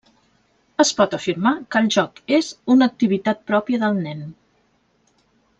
Es pot afirmar que el joc és una activitat pròpia del nen.